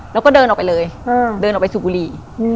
แล้วก็เดินออกไปเลยเดินออกไปสูบบุหรี่